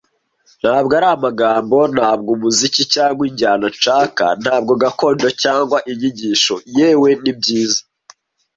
Ntabwo ari amagambo, ntabwo umuziki cyangwa injyana nshaka, ntabwo gakondo cyangwa inyigisho, yewe nibyiza,